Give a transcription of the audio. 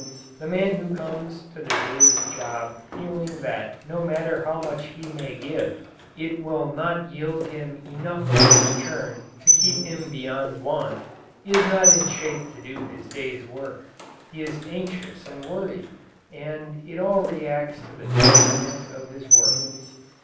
The man who comes to the day's job feeling that no matter how much he may give, it will not yield him enough of a return to keep him beyond want, is not in shape to do his day's work. He is anxious and worried, and it all reacts to the detriment of his work.